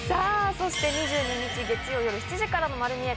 そして２２日月曜夜７時からの『まる見え！』